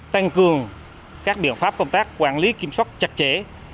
tăng cường các biện pháp công tác quản lý kiểm soát chặt chẽ